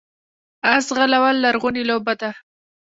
اس ځغلول لرغونې لوبه ده